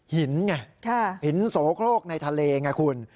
หินไงหินโสโครกในทะเลไงคุณ